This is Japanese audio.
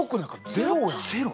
ゼロ。